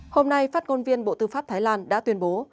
hôm nay phát ngôn viên bộ tư pháp thái lan đã tuyên bố